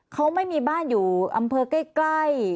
เขาไม่มีบ้านอยู่อำเภอใกล้